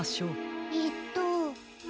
えっと。